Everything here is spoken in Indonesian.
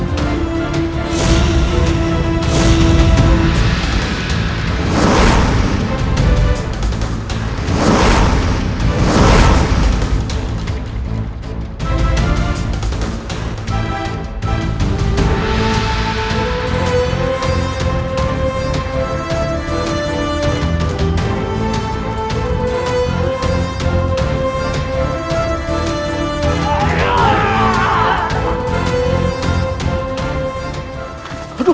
pertama yang siap biro